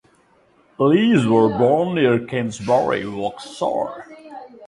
Lees was born near Kingsbury, Warwickshire.